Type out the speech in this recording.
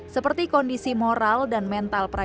seperti kondisi moral dan mental perempuan